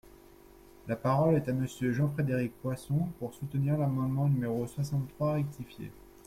La parole est à Monsieur Jean-Frédéric Poisson, pour soutenir l’amendement numéro soixante-trois rectifié.